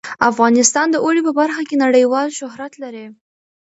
افغانستان د اوړي په برخه کې نړیوال شهرت لري.